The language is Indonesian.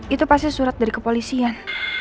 itu pasti surat dari kepolisian